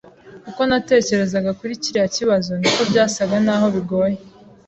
Uko natekerezaga kuri kiriya kibazo, niko byasaga naho bigoye.